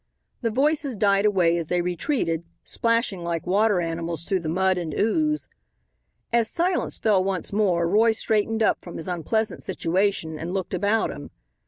The voices died away as they retreated, splashing like water animals through the mud and ooze. As silence fell once more Roy straightened up from his unpleasant situation and looked about him.